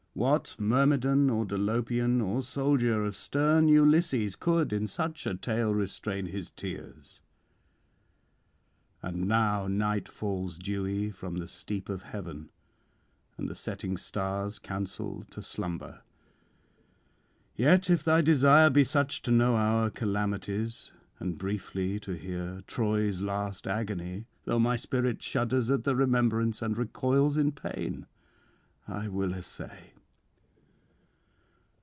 What Myrmidon or Dolopian, or soldier of stern Ulysses, could in such a tale restrain his tears! and now night falls dewy from the steep of heaven, and the setting stars counsel to slumber. Yet if thy desire be such to know our calamities, and briefly to hear Troy's last agony, though my spirit shudders at the remembrance and recoils in pain, I will essay.